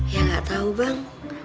ya gak tau bang